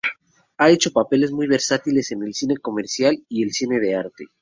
Ha hecho papeles muy versátiles en el cine commercial y el cine arte.